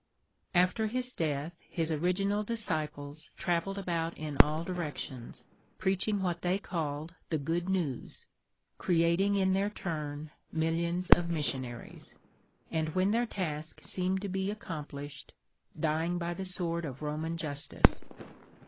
After his death, his original disciples travelled about in all directions, preaching what they called the GOOD NEWS, creating in their turn millions of missionaries; and, when their task seemed to be accomplished, dying by the sword of Roman justice.